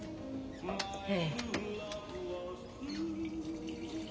ええ。